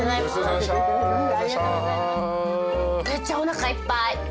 めっちゃおなかいっぱい。